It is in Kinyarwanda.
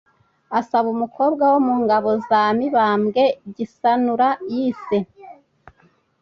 asaba umukobwa wo mu ngabo za mibambwe gisanura yise